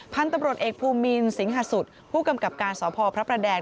พันธุ์ตำรวจเอกภูมินสิงหาสุดผู้กำกับการสพพระประแดง